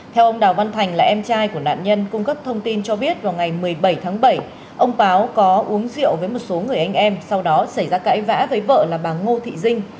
theo ông đào văn thành là em trai của nạn nhân cung cấp thông tin cho biết vào ngày một mươi bảy tháng bảy ông báo có uống rượu với một số người anh em sau đó xảy ra cãi vã với vợ là bà ngô thị dinh